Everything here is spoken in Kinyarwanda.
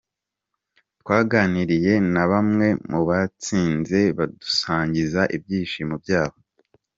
Twaganiriye na bambwe mubatsinze badusangiza ibyishimo byabo.